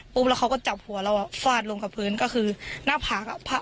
แล้วเขาก็จับหัวเราอ่ะฟาดลงกับพื้นก็คือหน้าผากอ่ะ